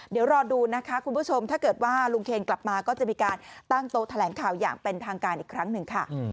เดี๋ยวรอดูนะคะคุณผู้ชมถ้าเกิดว่าลุงเคนกลับมาก็จะมีการตั้งโต๊ะแถลงข่าวอย่างเป็นทางการอีกครั้งหนึ่งค่ะ